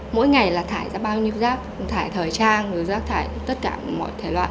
mỗi ngày là thải ra bao nhiêu rác thải thời trang rồi rác thải tất cả mọi thể loại